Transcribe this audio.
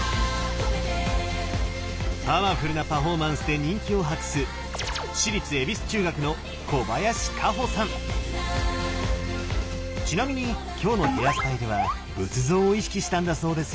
パワフルなパフォーマンスで人気を博すちなみに今日のヘアスタイルは仏像を意識したんだそうですよ！